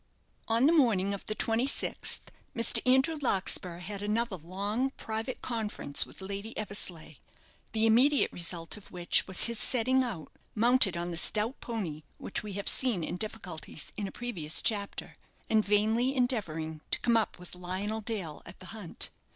On the morning of the twenty sixth Mr. Andrew Larkspur had another long private conference with Lady Eversleigh, the immediate result of which was his setting out, mounted on the stout pony which we have seen in difficulties in a previous chapter, and vainly endeavouring to come up with Lionel Dale at the hunt.